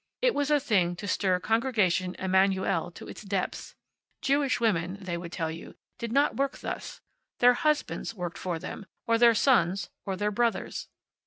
It was a thing to stir Congregation Emanu el to its depths. Jewish women, they would tell you, did not work thus. Their husbands worked for them, or their sons, or their brothers.